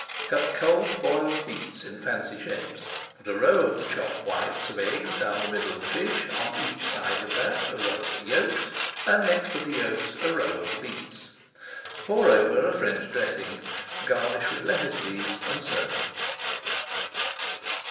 Cut cold boiled beets in fancy shapes. Put a row of the chopped whites of eggs down the middle of the fish, on each side of that a row of the yolks, and next to the yolks a row of the beets. Pour over a French dressing, garnish with lettuce leaves, and serve.